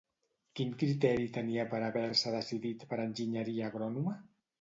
Quin criteri tenia per haver-se decidit per enginyeria agrònoma?